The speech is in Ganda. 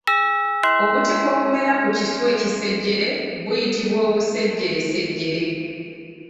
Obutiko obumera ku kinswa ekisejjere buyitibwa obusejjeresejjere.